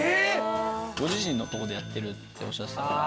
ご自身のとこでやってるとおっしゃってたから。